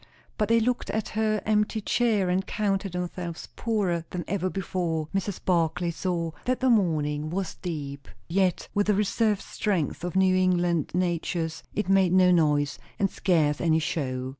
But they looked at her empty chair, and counted themselves poorer than ever before. Mrs. Barclay saw that the mourning was deep. Yet, with the reserved strength of New England natures, it made no noise, and scarce any show.